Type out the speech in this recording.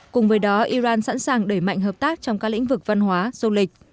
cùng với đó iran sẵn sàng đẩy mạnh hợp tác trong các lĩnh vực văn hóa du lịch